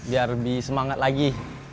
terlebih semangat lagi